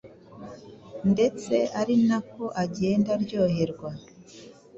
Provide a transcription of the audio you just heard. ndetse ari nako agenda aryoherwa.